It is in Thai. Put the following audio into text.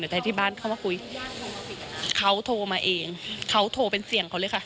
แต่ที่บ้านเข้ามาคุยเขาโทรมาเองเขาโทรเป็นเสียงเขาเลยค่ะ